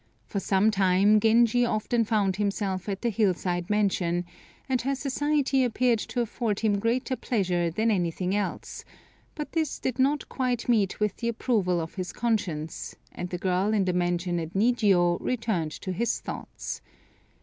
For some time Genji often found himself at the hill side mansion, and her society appeared to afford him greater pleasure than anything else, but this did not quite meet with the approval of his conscience, and the girl in the mansion at Nijio returned to his thoughts.